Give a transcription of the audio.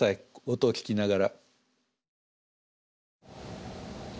音を聞きながら。